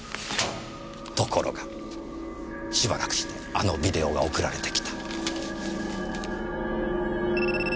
ところがしばらくしてあのビデオが送られてきた。